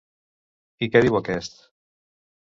I què diu aquest?